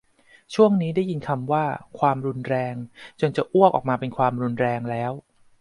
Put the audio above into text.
ช่วงนี้ได้ยินคำว่า"ความรุนแรง"จนจะอ้วกออกมาเป็นความรุนแรงแล้ว